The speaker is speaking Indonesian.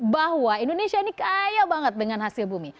bahwa indonesia ini kaya banget dengan hasil bumi